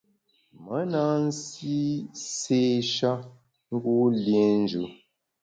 Me na nsi séé-sha ngu liénjù.